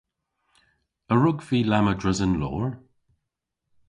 A wrug vy lamma dres an loor?